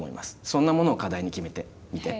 そんなものを課題に決めてみて。